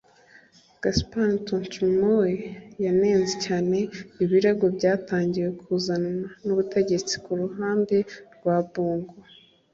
Gaspard Ntoutoume we yanenze cyane ibirego byatangiye kuzanwa n’ubutegetsi ku ruhande rwa Bongo